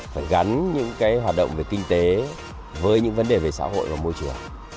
phải gắn những cái hoạt động về kinh tế với những vấn đề về xã hội và môi trường